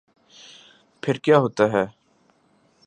پھر کیا ہوتا ہے۔